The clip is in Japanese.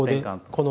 この。